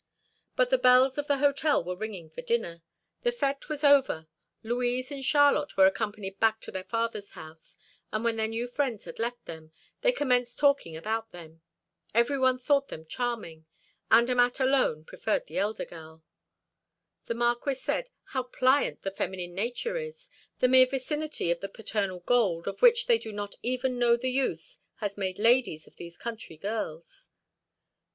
But the bells of the hotel were ringing for dinner. The fête was over. Louise and Charlotte were accompanied back to their father's house; and when their new friends had left them, they commenced talking about them. Everyone thought them charming, Andermatt alone preferred the elder girl. The Marquis said: "How pliant the feminine nature is! The mere vicinity of the paternal gold, of which they do not even know the use, has made ladies of these country girls."